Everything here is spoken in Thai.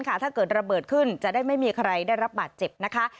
ถ้าเกิดระเบิดขึ้นจะได้ไม่มีใครได้รับบาดเจ็บนะคะ